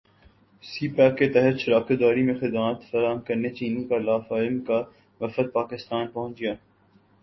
سی pack کے تحت شراکت داری میں خدمات فراہم کرنے چینی لا فرم کا وفد پاکستان پہنچ گیا